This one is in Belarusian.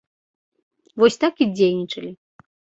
Вось так і дзейнічалі.